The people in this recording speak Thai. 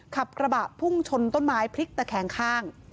ขับกระบะพุ่งชนต้นไม้พลิกตะแคงข้าง